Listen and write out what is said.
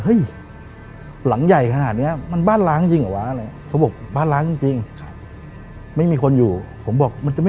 เห้ยหลังใหญ่ขนาดนี้มันบ้านร้านจริงหรือว่า